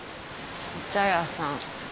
お茶屋さん。